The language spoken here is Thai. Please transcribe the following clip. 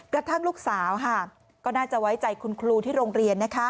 กระทั่งลูกสาวก็น่าจะไว้ใจคุณครูที่โรงเรียน